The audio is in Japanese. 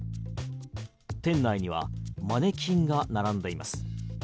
店内にはマネキンが並んでいます。